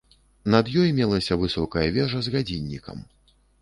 Над ёй мелася высокая вежа з гадзіннікам.